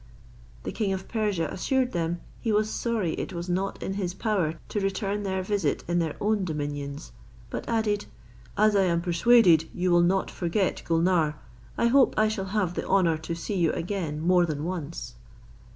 The king of Persia assured them, he was sorry it was not in his power to return their visit in their own dominions; but added, "As I am persuaded you will not forget Gulnare, I hope I shall have the honour to see you again more than once."